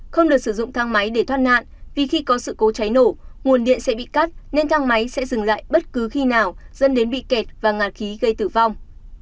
không được sử dụng thang máy để thoát nạn vì khi có sự cố cháy nổ nguồn điện sẽ bị cắt nên thang máy sẽ dừng lại bất cứ khi nào dẫn đến bị kẹt và ngạt khí gây tử vong